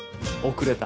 遅れた。